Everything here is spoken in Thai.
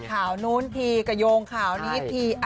ข่าวนู้นทีก็โยงข่าวนี้ที